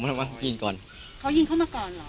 ถามว่ายิงก่อนเขายิงเข้ามาก่อนเหรอ